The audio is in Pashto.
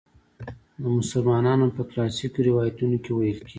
د مسلمانانو په کلاسیکو روایتونو کې ویل کیږي.